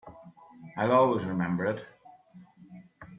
I'll always remember it.